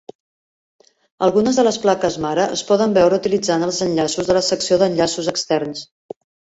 Algunes de les plaques mare es poden veure utilitzant els enllaços de la secció d'enllaços externs.